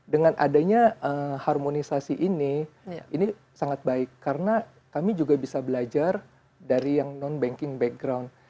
dengan adanya harmonisasi ini ini sangat baik karena kami juga bisa belajar dari yang non banking background